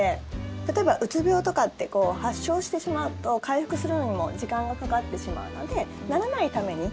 例えば、うつ病とかって発症してしまうと回復するのにも時間がかかってしまうのでならないために。